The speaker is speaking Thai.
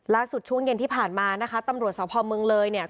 ช่วงเย็นที่ผ่านมานะคะตำรวจสพเมืองเลยเนี่ย